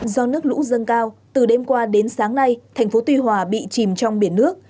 do nước lũ dâng cao từ đêm qua đến sáng nay thành phố tuy hòa bị chìm trong biển nước